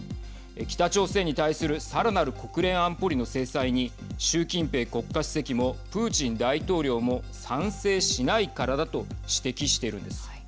北朝鮮に対するさらなる国連安保理の制裁に習近平国家主席もプーチン大統領も賛成しないからだと指摘しているんです。